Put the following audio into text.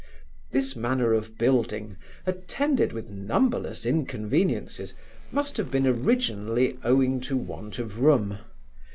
This manner of building, attended with numberless inconveniences, must have been originally owing to want of room.